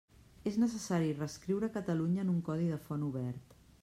És necessari reescriure Catalunya en un codi de font obert.